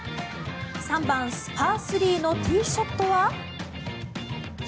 ３番、パー３のティーショットは。